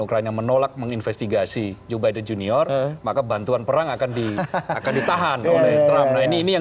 ukraina menolak menginvestigasi joe biden junior maka bantuan perang akan ditahan oleh ini yang